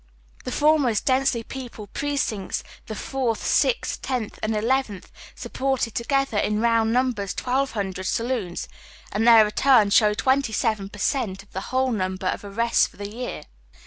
T)ie four most densely peopled precincts, the Fourth, Sixth, Tenth, and Eleventh, supported together in round numbers twelve hundred saloons, and theii' returns showed twenty seven per cent, of the whole number of arrests for the year.